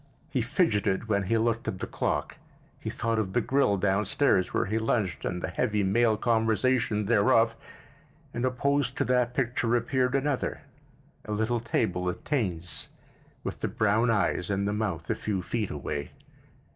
He fidgeted when he looked at the clock; he thought of the grill down stairs where he lunched and the heavy male conversation thereof, and opposed to that picture appeared another; a little table at Taine's with the brown eyes and the mouth a few feet away.